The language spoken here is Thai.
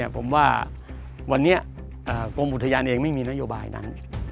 ผมว่าวันนี้กรมอุทยานเองไม่มีนโยบายนั้น